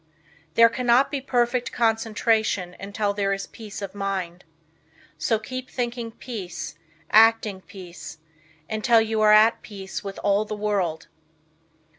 There cannot be perfect concentration until there is peace of mind. So keep thinking peace, acting peace, until you are at peace with all the world.